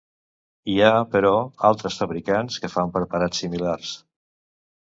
Hi ha, però, altres fabricants que fan preparats similars.